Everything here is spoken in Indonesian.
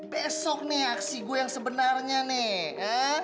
besok nih aksi gue yang sebenarnya nih